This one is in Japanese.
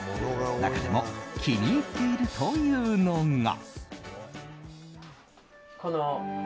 中でも気に入っているというのが。